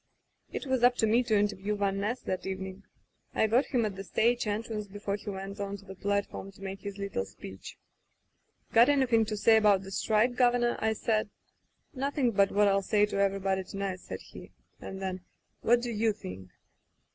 ... "It was up to me to interview Van Ness that evening. I got him at the stage entrance before he went on to the platform to make his litde speech. 'Got anydiing to say about the strike. Governor?* I said. 'Nothing but what ril say to everybody to night,' said he, and then: 'What do you think